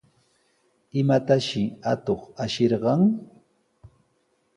¿Imatashi atuq ashirqan?